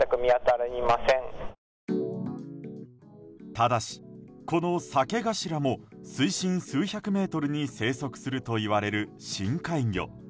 ただし、このサケガシラも水深数百メートルに生息するといわれる深海魚。